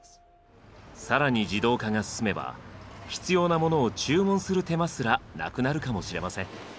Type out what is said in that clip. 更に自動化が進めば必要なものを注文する手間すらなくなるかもしれません。